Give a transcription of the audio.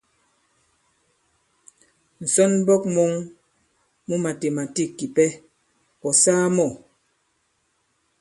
Ǹsɔnmbɔk mɔ̄ŋ mu màtèmàtîk kìpɛ, ɔ̀ saa mɔ̂ ?